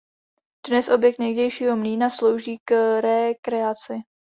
Dnes objekt někdejšího mlýna slouží k rekreaci.